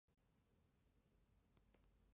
弗赖斯塔特是德国下萨克森州的一个市镇。